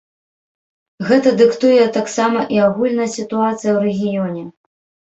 Гэта дыктуе таксама і агульная сітуацыя ў рэгіёне.